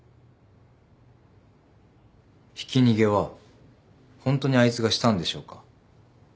ひき逃げはホントにあいつがしたんでしょうか？